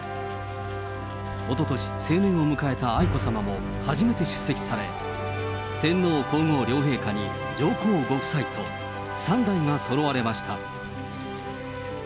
おととし、成年を迎えた愛子さまも初めて出席され、天皇皇后両陛下に上皇ご夫妻と、３代がそろわれました。